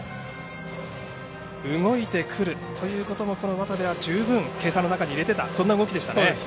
動いてくるということも渡部は計算の中に入れていたそんな動きでした。